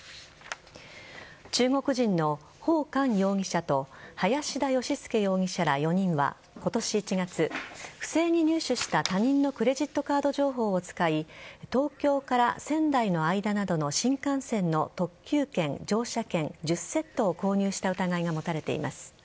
中国人のホウ・カン容疑者と林田義介容疑者ら４人は今年１月、不正に入手した他人のクレジットカード情報を使い東京仙台の間などの新幹線の特急券、乗車券１０セットを購入した疑いが持たれています。